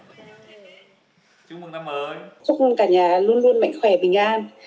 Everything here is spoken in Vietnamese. chúc mừng cả nhà luôn luôn mạnh khỏe bình an